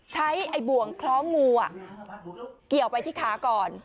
ไอ้บ่วงคล้องงูเกี่ยวไปที่ขาก่อน